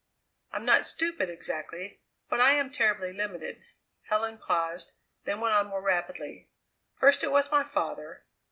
I'm not stupid exactly, but I am terribly limited." Helen paused, then went on more rapidly: "First it was my father.